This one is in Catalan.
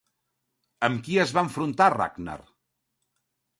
Amb qui es va enfrontar Ragnar?